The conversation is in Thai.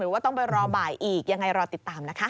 ว่าต้องไปรอบ่ายอีกยังไงรอติดตามนะคะ